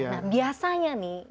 nah biasanya nih